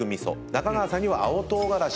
中川さんには青唐辛子。